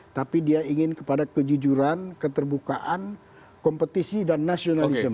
tapi dia ingin kepada kejujuran keterbukaan kompetisi dan nasionalisme